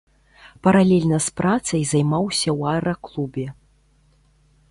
Паралельна з працай займаўся ў аэраклубе.